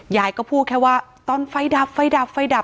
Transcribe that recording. ยายก็พูดแค่ว่าตอนไฟดับไฟดับไฟดับ